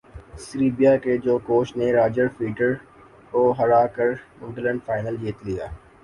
Serbia کے جوکووچ نے راجر فیڈرر کو ہرا کر ومبلڈن فائنل جیت لیا